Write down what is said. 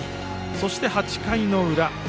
そして８回の裏。